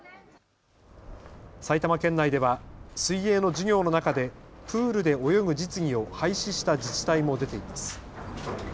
埼玉県内では水泳の授業の中でプールで泳ぐ実技を廃止した自治体も出ています。